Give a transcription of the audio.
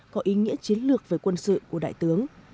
có ý nghĩa chiến lược về quân sự của đại tướng